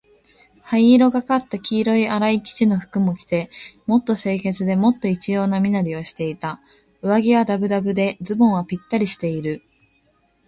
灰色がかった黄色のあらい生地の服を着て、もっと清潔で、もっと一様な身なりをしていた。上衣はだぶだぶで、ズボンはぴったりしている。